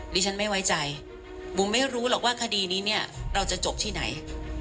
ฉันไม่ไว้ใจบุ๋มไม่รู้หรอกว่าคดีนี้เนี่ยเราจะจบที่ไหน